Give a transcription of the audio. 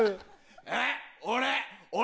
えっ俺？